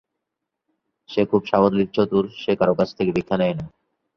সে খুব সাবলীল, চতুর, সে কারো কাছ থেকে ভিক্ষা নেয় না।